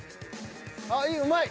あっいいうまい。